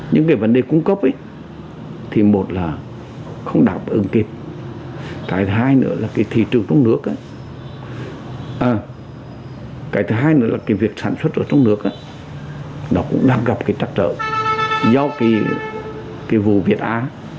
những vấn đề cung cấp là không đạt và ứng kịp hai nữa là thị trường trong nước hai nữa là việc sản xuất trong nước cũng đang gặp trắc trợ do vụ việt á